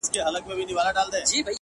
• آزمیېلی دی دا اصل په نسلونو ,